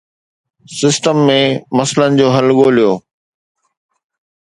System ۾ مسئلن جو حل ڳوليو.